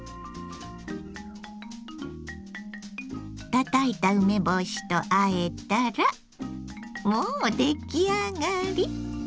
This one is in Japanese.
たたいた梅干しとあえたらもう出来上がり。